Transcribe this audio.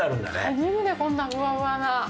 初めてこんなふわふわな。